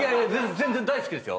全然大好きですよ。